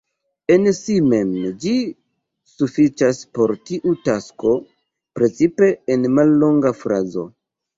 En si mem ĝi sufiĉas por tiu tasko, precipe en mallonga frazo.